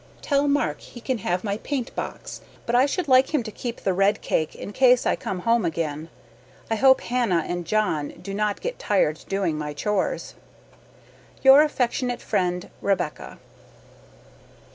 Tell Mark he can have my paint box, but I should like him to keep the red cake in case I come home again. I hope Hannah and John do not get tired doing my chores. Your afectionate friend Rebecca.